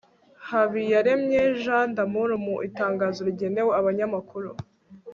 habiyaremye jean d'amour mu itangazo rigenewe abanyamakuru